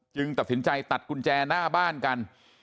ตัดสินใจตัดกุญแจหน้าบ้านกัน